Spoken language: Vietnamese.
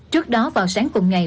trước đó vào sáng cùng ngày